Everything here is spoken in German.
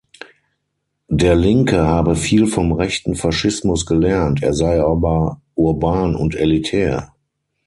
Der linke habe viel vom rechten Faschismus gelernt, sei aber urban und elitär.